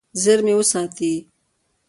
زیرمې وساتي.